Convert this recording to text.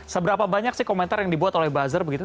seberapa banyak sih komentar yang dibuat oleh buzzer begitu